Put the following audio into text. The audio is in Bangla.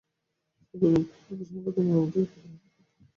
সেই বীজনপরায়ণ গ্রীষ্মকাতর মেমমূর্তিটির প্রতি কালীপদর অত্যন্ত লোভ জন্মিল।